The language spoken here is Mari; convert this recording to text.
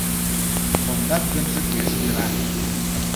— Кондат гынже, пеш йӧра.